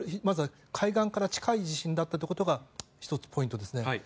海岸から近い地震であったことが１つポイントですね。